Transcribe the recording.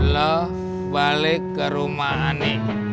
lo balik ke rumah ini